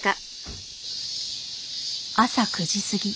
朝９時過ぎ。